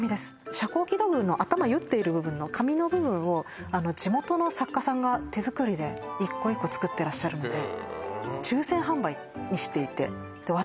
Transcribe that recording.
遮光器土偶の頭結っている部分の髪の部分を地元の作家さんが手作りで一個一個作ってらっしゃるのでうん